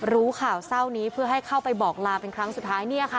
รู้ข่าวเศร้านี้เพื่อให้เข้าไปบอกลาเป็นครั้งสุดท้ายเนี่ยค่ะ